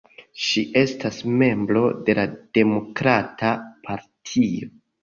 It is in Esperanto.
Ŝi estas membro de la Demokrata Partio.